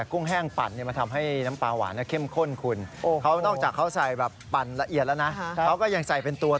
ลงไปน้ำปลาหวานแล้วก็ตักกุ้งมาเป็นตัว